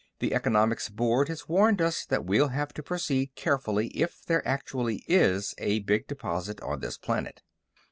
The Economics Board has warned us that we'll have to proceed carefully if there actually is a big deposit on this planet."